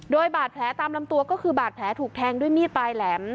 โดยบาดแผลตามลำตัวก็คือบาดแผลถูกแทงด้วยมีดปลายแหลม